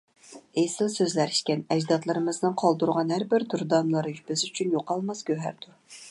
ئېسىل سۆزلەر ئىكەن، ئەجدادلىرىمىزنىڭ قالدۇرغان ھەر بىر دۇردانىلىرى بىز ئۈچۈن يوقالماس گۆھەردۇر.